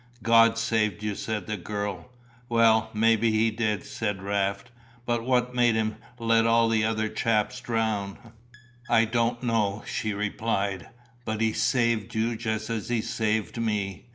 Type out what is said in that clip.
"God saved you," said the girl. "Well, maybe He did," said Raft; "but what made Him let all the other chaps drown?" "I don't know," she replied, "but He saved you just as He saved me.